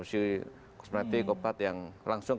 kosmetik obat yang langsung